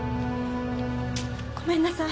ごめんなさい